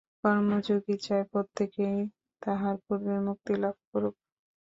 কর্মযোগী চায় প্রত্যেকেই তাহার পূর্বে মুক্তি লাভ করুক।